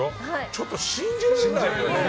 ちょっと信じられないですよね。